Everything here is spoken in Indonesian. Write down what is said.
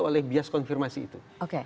oleh bias konfirmasi itu